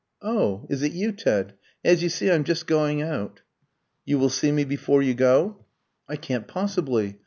"Oh, is it you, Ted? As you see, I'm just going out." "You will see me before you go?" "I can't possibly.